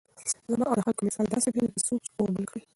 زما او د خلكو مثال داسي دئ لكه څوك چي اور بل كړي